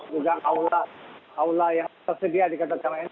luka aula aula yang tersedia di kantor kecamatan ini